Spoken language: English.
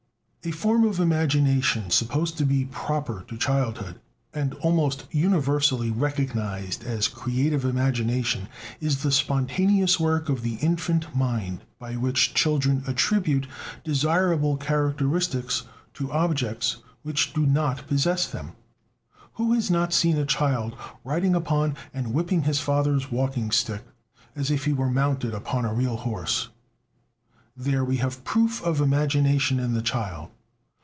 A form of imagination supposed to be "proper" to childhood, and almost universally recognized as creative imagination, is that spontaneous work of the infant mind by which children attribute desirable characteristics to objects which do not possess them. Who has not seen a child riding upon and whipping his father's walking stick, as if he were mounted upon a real horse? There we have a proof of "imagination" in the child!